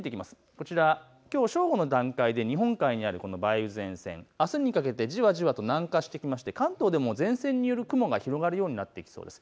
こちらきょうの正午の段階で日本海にある梅雨前線、あすにかけてじわじわと南下してきて関東でも前線による雲が広がるようになってきそうです。